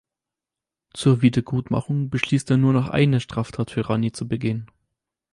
Zur Wiedergutmachung beschließt er nur noch eine Straftat für Rani zu begehen.